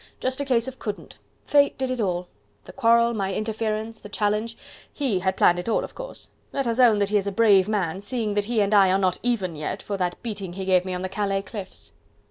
Just a case of couldn't.... Fate did it all... the quarrel... my interference... the challenge.... HE had planned it all of course.... Let us own that he is a brave man, seeing that he and I are not even yet, for that beating he gave me on the Calais cliffs."